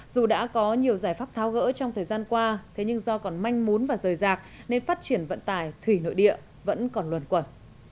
dù đã có nhiều giải pháp tháo gỡ trong thời gian qua thế nhưng do còn manh muốn và rời rạc nên phát triển vận tải thủy nội địa vẫn còn luồn quẩn